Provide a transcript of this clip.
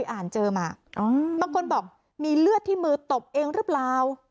อ่านเจอมาบางคนบอกมีเลือดที่มือตบเองหรือเปล่า